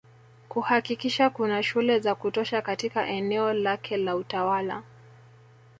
Kuhakikisha kuna shule za kutosha katika eneo lake la utawala